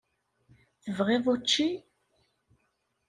Tebɣiḍ učči?